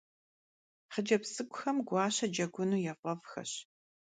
Xhıcebz ts'ık'uxem guaşe cegunu yaf'ef'xeş.